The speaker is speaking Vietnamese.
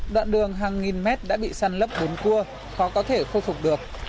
đoạn đường hàng nghìn mét đã bị săn lấp bốn cua khó có thể khôi phục được